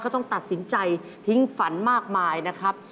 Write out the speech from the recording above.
ต้องตัดสินใจทิ้งฝันมากมายนะครับ